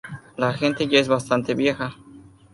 La gente ya es bastante vieja.